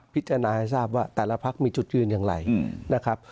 พิจารณาให้ทราบว่าแต่ละพักมีจุดยืนอย่างไรนะครับ